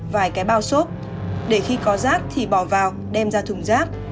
vài cái bao xốp để khi có rác thì bỏ vào đem ra thùng rác